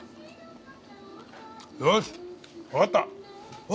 よしわかった。